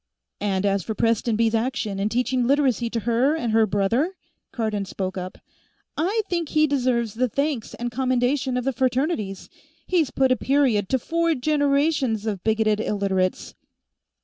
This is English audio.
"And as for Prestonby's action in teaching Literacy to her and to her brother," Cardon spoke up, "I think he deserves the thanks and commendation of the Fraternities. He's put a period to four generations of bigoted Illiterates."